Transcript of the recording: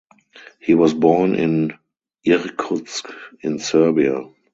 He was born in Irkutsk in Siberia.